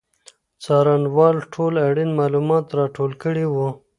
څارنوال ټول اړین معلومات راټول کړي وو.